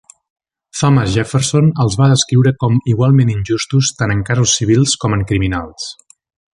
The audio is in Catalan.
Thomas Jefferson els va descriure com "igualment injustos tant en casos civils com en criminals".